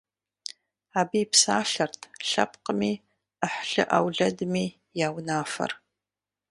Абы и псалъэрт лъэпкъми, ӏыхьлы-ӏэулэдми я унафэр.